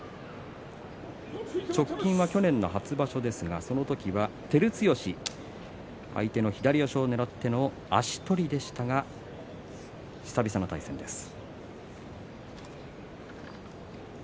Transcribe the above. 直近は去年の初場所ですがその時は照強が相手の左足をねらっての足取りでしたが久々の対戦です。